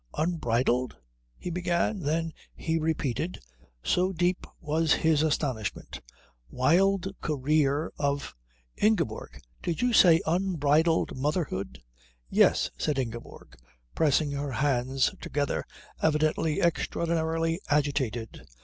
"Unbridled ?" he began; then he repeated, so deep was his astonishment, "Wild career of Ingeborg, did you say unbridled motherhood?" "Yes," said Ingeborg, pressing her hands together, evidently extraordinarily agitated.